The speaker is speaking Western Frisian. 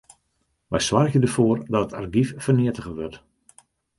Wy soargje derfoar dat it argyf ferneatige wurdt.